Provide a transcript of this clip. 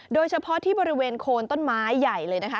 โดยเฉพาะที่บริเวณโคนต้นไม้ใหญ่เลยนะคะ